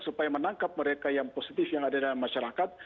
supaya menangkap mereka yang positif yang ada dalam masyarakat